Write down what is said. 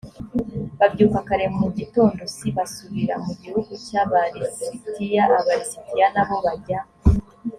babyuka kare mu gitondo c basubira mu gihugu cy aba lisitiya aba lisitiya na bo bajya